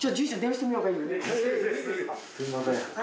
すみません。